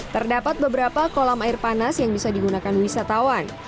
terdapat beberapa kolam air panas yang bisa digunakan wisatawan